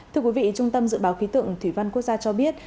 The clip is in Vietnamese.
thưa quý vị trung tâm dự báo khí tượng thủy văn quốc gia cho biết